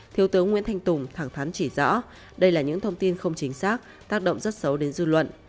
thiếu tướng nguyễn thanh tùng thẳng thắn chỉ rõ đây là những thông tin không chính xác tác động rất xấu đến dư luận